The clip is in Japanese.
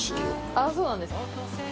あっそうなんですか。